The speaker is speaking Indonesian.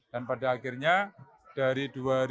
dan pada akhirnya dari dua ribu sepuluh